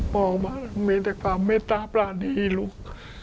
มองมามีแต่ความเมตตาประณีลุก